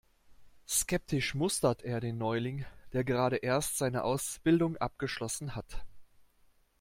Skeptisch mustert er den Neuling, der gerade erst seine Ausbildung abgeschlossen hat.